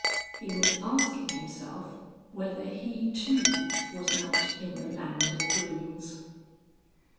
He was asking himself whether he too was not in the Land of Dreams.